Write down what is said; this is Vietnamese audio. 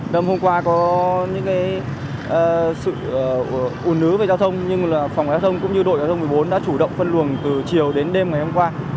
đâm hôm qua có những sự ủ nứ về giao thông nhưng phòng giao thông cũng như đội giao thông một mươi bốn đã chủ động phân luồng từ chiều đến đêm ngày hôm qua